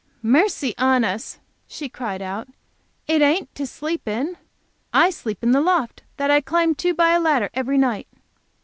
"Mercy on us!" she cried out, "it ain't to sleep in! I sleep up in the loft, that I climb to by a ladder every night."